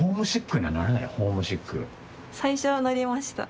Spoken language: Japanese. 最初はなりました。